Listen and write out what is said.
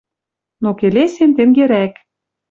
Но келесем тенгерӓк: